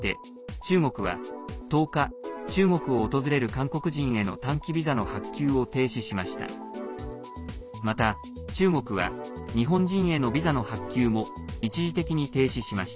中国は１０日から中国を訪れる韓国人への短期ビザの発給を停止すると発表しました。